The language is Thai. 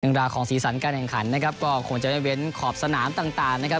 ราวของสีสันการแข่งขันนะครับก็คงจะได้เว้นขอบสนามต่างนะครับ